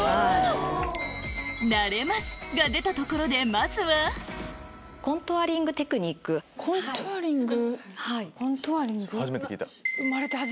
「なれます！」が出たところでまずはコントゥアリング？